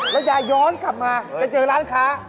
แล้วยายย้อนกลับมาไปเจอร้านค้า